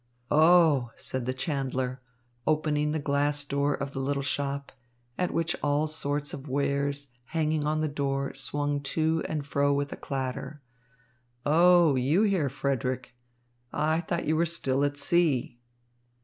"Oh," said the chandler, opening the glass door of the little shop, at which all sorts of wares hanging on the door swung to and fro with a clatter, "Oh, you here, Frederick? I thought you were still at sea."